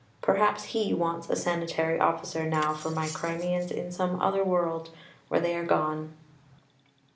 Perhaps He wants a "Sanitary Officer" now for my Crimeans in some other world where they are gone.